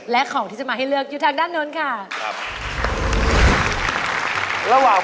และของที่จะมาให้เลือกอยู่ทางด้านโน้นค่ะ